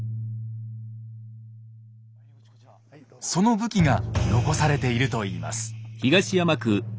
その武器が残されているといいます。